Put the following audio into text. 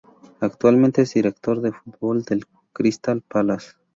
Actualmente es Director de Futbol del Crystal Palace.